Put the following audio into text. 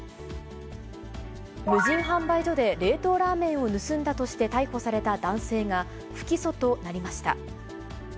無人販売所で冷凍ラーメンを盗んだとして逮捕された男性が、不起訴となりました。